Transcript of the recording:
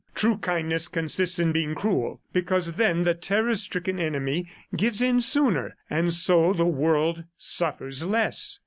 True kindness consists in being cruel, because then the terror stricken enemy gives in sooner, and so the world suffers less."